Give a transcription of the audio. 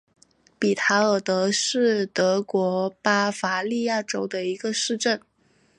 比塔尔德是德国巴伐利亚州的一个市镇。